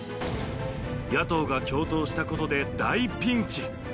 野党が共闘したことで大ピンチ。